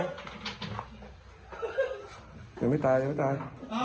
ยังไม่ตาย